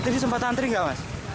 satu hari sempat antri tidak mas